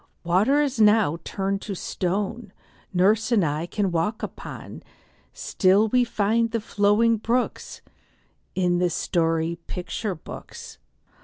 Water now is turned to stone Nurse and I can walk upon; Still we find the flowing brooks In the picture story books.